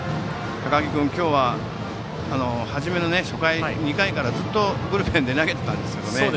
高木君、今日は２回からずっとブルペンで投げてたんですけどね。